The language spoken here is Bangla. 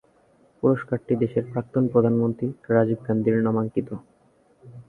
পুরস্কারটি দেশের প্রাক্তন প্রধানমন্ত্রী রাজীব গান্ধীর নামাঙ্কিত।